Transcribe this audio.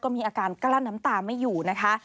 มีอาการกลั้นน้ำตาไม่อยู่นะคะ